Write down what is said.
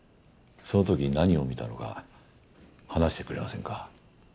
そのときに何を見たのか話してくれませんか。